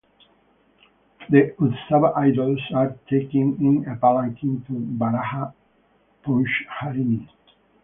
The 'Utsava idols' are taken in a palanquin to 'Varaha Pushkarini'.